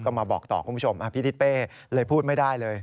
ก็มาบอกต่อคุณผู้ชมพี่ทิศเป้เลยพูดไม่ได้เลย